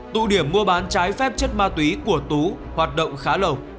tụ điểm mua bán trái phép chất ma túy của tú hoạt động khá lâu